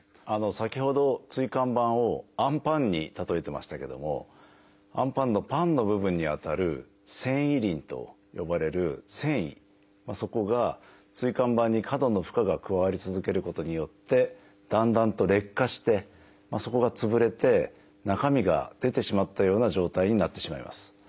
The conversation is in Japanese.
先ほど椎間板をあんパンに例えてましたけどもあんパンのパンの部分にあたる「線維輪」と呼ばれる線維そこが椎間板に過度の負荷が加わり続けることによってだんだんと劣化してそこが潰れて中身が出てしまったような状態になってしまいます。